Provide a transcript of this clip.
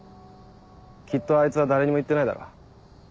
きっとあいつは誰にも言ってないだろう。